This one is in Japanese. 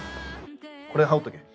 これ羽織っとけ。